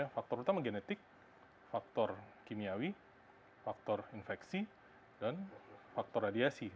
faktor utama genetik faktor kimiawi faktor infeksi dan faktor radiasi